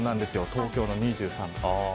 東京の２３度。